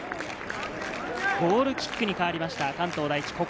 ゴールキックに変わりました、関東第一。